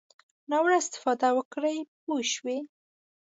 ناوړه استفاده وکړي پوه شوې!.